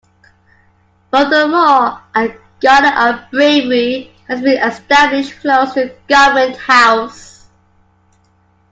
Furthermore, a "Garden of Bravery" has been established close to Government House.